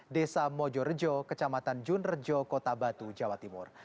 desa mojo rejo kecamatan jun rejo kota batu jawa timur